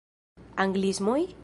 Anglismoj?